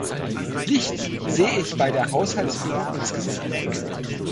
Licht sehe ich bei der Haushaltsführung insgesamt.